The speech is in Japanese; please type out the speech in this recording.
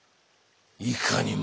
いかにも。